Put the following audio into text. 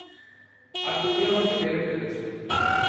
আর তুমি আমাকে মেরে ফেলেছ।